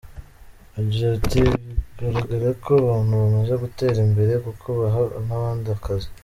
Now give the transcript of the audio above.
Agira ati “Bigaragara ko abantu bamaze gutera imbere kuko baha n’abandi akazi.